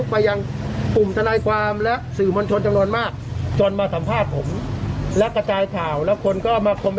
เป็นทนายโจรนะครับ